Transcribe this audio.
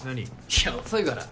いや遅いから。